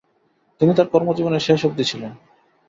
তিনি তাঁর কর্মজীবনের শেষ অবধি ছিলেন।